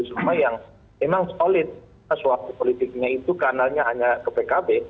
semua yang memang solid suara politiknya itu kanalnya hanya ke pkb